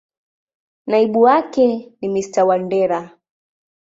Naibu wake ni Mr.Wandera.